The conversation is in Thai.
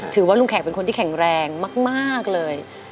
ถือว่าลุงแขกเป็นคนที่แข็งแรงมากเลย